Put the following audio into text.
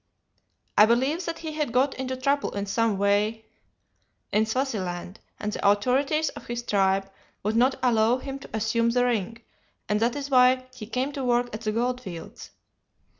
I believe that he had got into trouble in some way in Swaziland, and the authorities of his tribe would not allow him to assume the ring, and that is why he came to work at the gold fields.